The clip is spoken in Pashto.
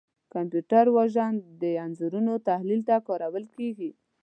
کمپیوټر وژن د انځورونو تحلیل ته کارول کېږي.